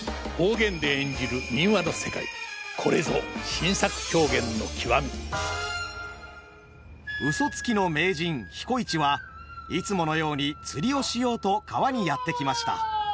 再演を重ねていまやうそつきの名人彦市はいつものように釣りをしようと川にやって来ました。